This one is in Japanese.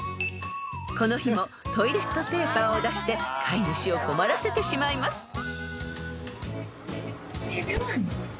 ［この日もトイレットペーパーを出して飼い主を困らせてしまいます］